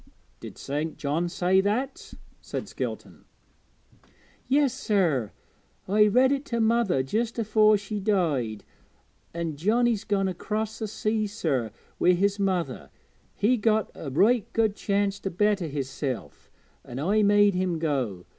'Did St. John say that?' said Skelton. 'Yes, sir, I read it to mother just afore she died. An' Johnnie's gone across the sea, sir, wi' his mother; he got a right good chance to better hisself, an' I made him go.